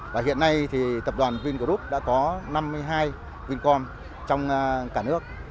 và hiện nay thì tập đoàn vingroup đã có năm mươi hai vincom trong cả nước